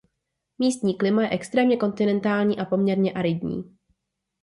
Místní klima je extrémně kontinentální a poměrně aridní.